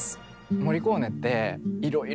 モリコーネっていろいろね